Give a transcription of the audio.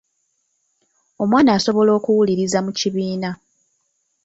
Omwana asobola okuwuliriza mu kibiina.